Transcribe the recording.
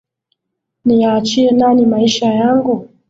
Niyaachie nani maisha yangu?